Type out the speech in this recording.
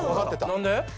何で？